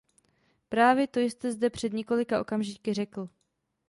Právě to jste zde před několika okamžiky řekl.